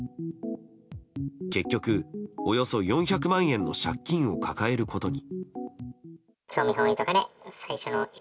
結局、およそ４００万円の借金を抱えることに。